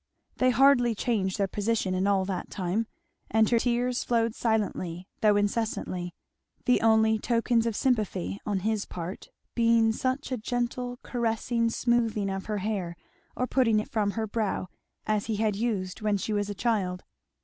They hardly changed their position in all that time; and her tears flowed silently though incessantly, the only tokens of sympathy on his part being such a gentle caressing smoothing of her hair or putting it from her brow as he had used when she was a child.